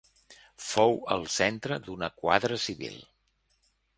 Fou el centre d'una quadra civil.